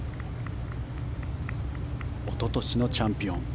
おととしのチャンピオン。